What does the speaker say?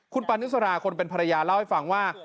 คุณปานิสราคนเป็นภรรยาเล่าให้ฟังว่า